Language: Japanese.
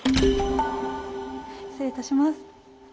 失礼いたします。